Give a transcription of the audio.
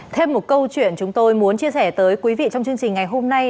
thêm một câu chuyện chúng tôi muốn chia sẻ tới quý vị trong chương trình ngày hôm nay